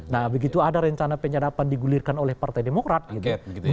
nah begitu ada rencana penyadapan digulirkan oleh partai demokrat gitu